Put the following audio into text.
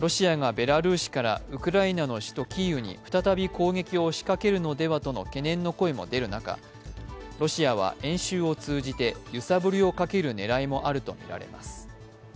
ロシアがベラルーシからウクライナの首都キーウに再び攻撃を仕掛けるのではとの懸念の声も出る中、ロシアは演習を通じて揺さぶりをかける狙いもあるとみられます。